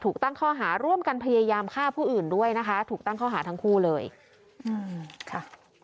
ตั้งข้อหาร่วมกันพยายามฆ่าผู้อื่นด้วยนะคะถูกตั้งข้อหาทั้งคู่เลยอืมค่ะ